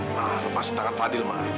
ma lepas tangan fadil ma